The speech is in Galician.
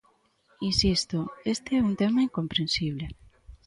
Insisto, este é un tema incomprensible.